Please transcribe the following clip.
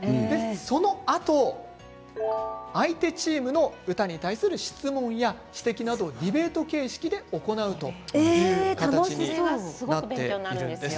その後相手チームの歌に対する質問や指摘などをディベート形式で行うという形になっているんです。